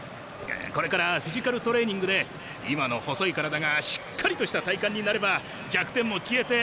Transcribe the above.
これからフィジカルトレーニングで今の細い体がしっかりとした体幹になれば弱点も消えて。